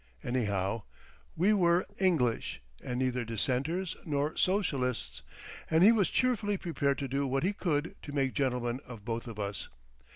Anyhow, we were English, and neither Dissenters nor Socialists, and he was cheerfully prepared to do what he could to make gentlemen of both of us.